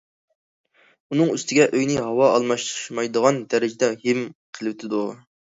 ئۇنىڭ ئۈستىگە ئۆيىنى ھاۋا ئالماشمايدىغان دەرىجىدە ھىم قىلىۋېتىدۇ.